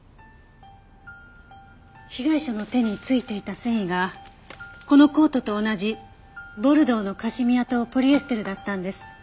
被害者の手についていた繊維がこのコートと同じボルドーのカシミヤとポリエステルだったんです。